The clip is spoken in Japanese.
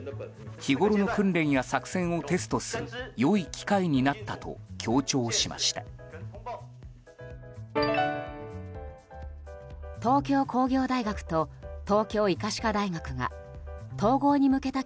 日ごろの訓練や作戦をテストする良い機会になったと強調しました。